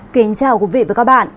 kính chào quý vị và các bạn